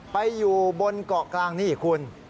ไปอยู่บนเกาะกลางนี่คุณ